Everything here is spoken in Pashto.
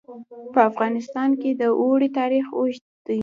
په افغانستان کې د اوړي تاریخ اوږد دی.